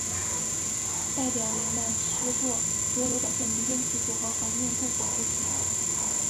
戴表元的诗作多有表现民间疾苦和怀念故国之情。